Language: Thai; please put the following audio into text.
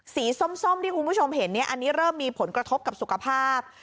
ส้มที่คุณผู้ชมเห็นอันนี้เริ่มมีผลกระทบกับสุขภาพ